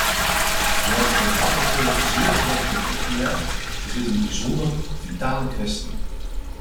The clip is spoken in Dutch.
Zoals de rapporteur zeer terecht heeft opgemerkt, is dit een bijzonder vitale kwestie.